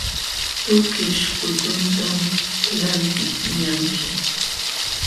Tukish kutuntam lantiqñanki.